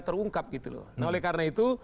terungkap gitu loh nah oleh karena itu